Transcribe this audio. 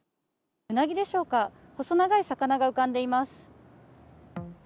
ウナギでしょうか、細長い魚が浮かんでいます。